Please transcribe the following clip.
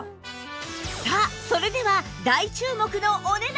さあそれでは大注目のお値段を発表！